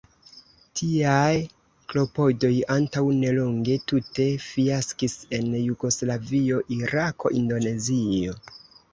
Tiaj klopodoj antaŭ nelonge tute fiaskis en Jugoslavio, Irako, Indonezio.